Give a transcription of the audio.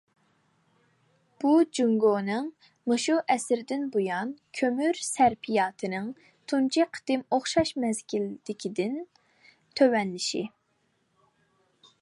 بۇ جۇڭگونىڭ مۇشۇ ئەسىردىن بۇيان كۆمۈر سەرپىياتىنىڭ تۇنجى قېتىم ئوخشاش مەزگىلدىكىدىن تۆۋەنلىشى.